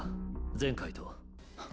前回と。